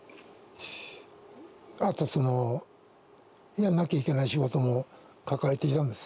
あとやんなきゃいけない仕事も抱えていたんです